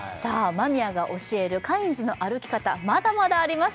マニアが教えるカインズの歩き方まだまだあります